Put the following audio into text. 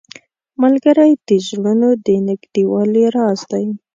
ملګری د زړونو د نږدېوالي راز دی